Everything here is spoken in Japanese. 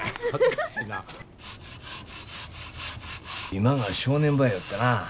今が正念場やよってな。